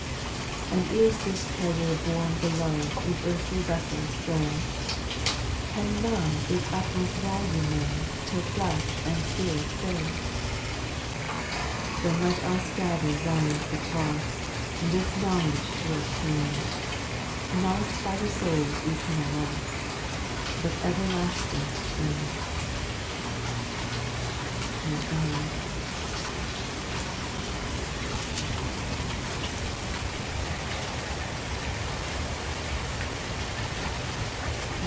6. And is this treasure borne below In earthly vessels frail ? Can none its utmost value know Till flesh and spirit fail ? 6. Then let us gather round the cross, This knowledge to obtain. Not by the soul's eternal loss, But everlasting gain. MONTOOMEBY.